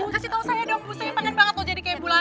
kasih tau saya dong bu saya pengen banget jadi kayak ibu lastri